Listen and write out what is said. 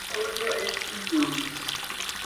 Odio els dilluns!